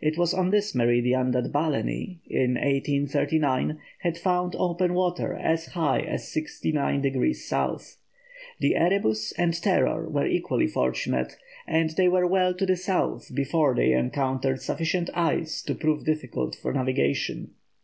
It was on this meridian that Balleny, in 1839, had found open water as high as 69° S. The Erebus and Terror were equally fortunate, and they were well to the south before they encountered sufficient ice to prove difficult to navigation.